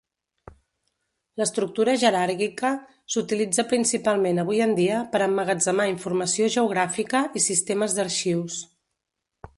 L'estructura jeràrquica s'utilitza principalment avui en dia per emmagatzemar informació geogràfica i sistemes d'arxius.